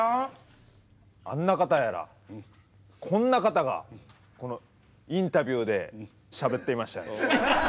あんな方やらこんな方がこのインタビューでしゃべっていましたよね。